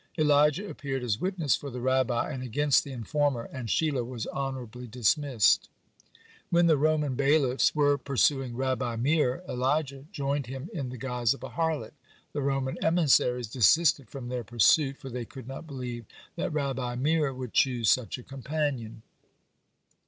Elijah appeared as witness for the Rabbi and against the informer, and Shila was honorably dismissed. (50) When the Roman bailiffs were pursuing Rabbi Meir, Elijah joined him in the guise of a harlot. The Roman emissaries desisted from their pursuit, for they could not believe that Rabbi Meir would choose such a companion.